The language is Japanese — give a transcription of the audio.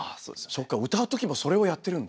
そっか歌うときもそれをやってるんだ。